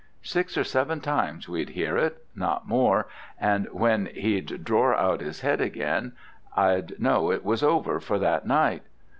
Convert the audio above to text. Six or seven times we'd hear it, not more, and when he'd dror out his 'ed again I'd know it was over for that night.